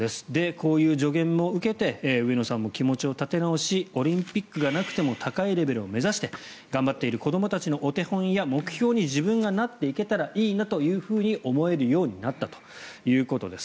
こういう助言も受けて上野さんも気持ちを立て直しオリンピックがなくても高いレベルを目指して頑張っている子どもたちのお手本や目標に自分がなっていけたらいいなと思えるようになったということです。